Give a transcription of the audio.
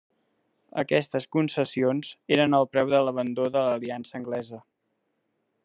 Aquestes concessions eren el preu de l'abandó de l'aliança anglesa.